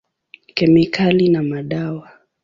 Kemikali na madawa.